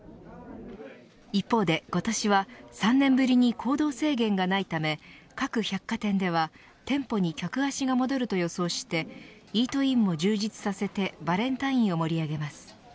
一方で今年は３年ぶりに行動制限がないため各百貨店では店舗に客足が戻ると予想していてイートインも充実させてバレンタインを盛り上げます。